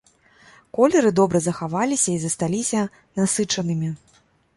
Колеры добра захаваліся і засталіся насычанымі.